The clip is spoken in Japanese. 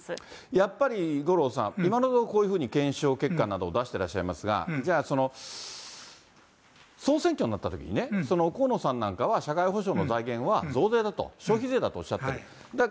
やっぱり五郎さん、今のところこういうふうに検証結果などを出してらっしゃいますが、じゃあその、総選挙になったときにね、その河野さんなんかは社会保障の財源は増税だと、消費税だとおっしゃっている。